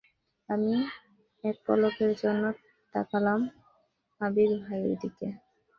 আমি এক পলকের জন্যে তাকালাম আবীর ভাইয়ের দিকে।